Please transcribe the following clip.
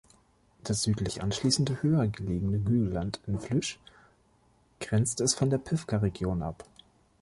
Das südlich anschließende, höher gelegene Hügelland im Flysch grenzt es von der Pivka-Region ab.